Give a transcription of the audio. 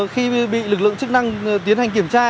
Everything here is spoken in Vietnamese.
khi bị lực lượng chức năng tiến hành kiểm tra